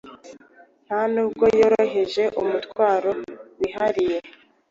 Ntanubwo yoroheje umutwaro wihariye